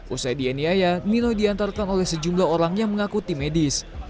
usai dianiaya nino diantarkan oleh sejumlah orang yang mengaku tim medis